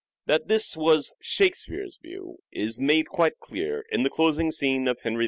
That this was " Shakespeare's " view is made quite clear in the closing scene of Henry V.